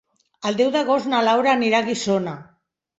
El deu d'agost na Laura anirà a Guissona.